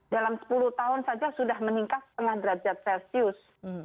dalam sepuluh tahun saja sudah meningkat setengah derajat celcius